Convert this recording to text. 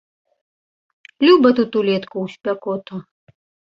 Люба тут улетку ў спякоту!